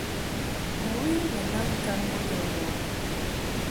Bɨwi ni naŋ ŋkaŋ yi bo to no a.